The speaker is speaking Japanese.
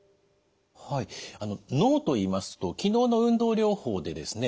脳といいますと昨日の運動療法でですね